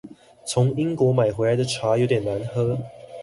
從英國買回來的茶有點難喝